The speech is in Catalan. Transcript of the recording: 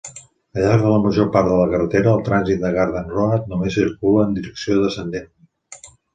Al llarg de la major part de la carretera, el trànsit de Garden Road només circula en direcció descendent.